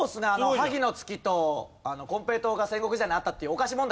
萩の月と金平糖が戦国時代にあったっていうお菓子問題